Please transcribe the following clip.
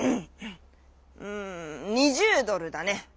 「うん２０ドルだね。